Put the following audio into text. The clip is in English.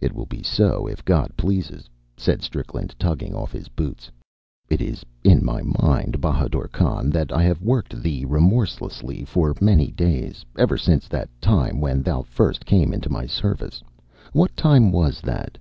"It will be so, if God pleases," said Strickland, tugging off his hoots. "It is in my mind, Bahadur Khan, that I have worked thee remorselessly for many days ever since that time when thou first came into my service. What time was that?"